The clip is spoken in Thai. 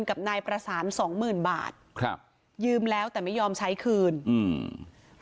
กับนายประสานสองหมื่นบาทครับยืมแล้วแต่ไม่ยอมใช้คืนอืม